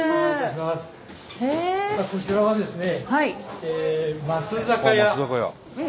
こちらはですね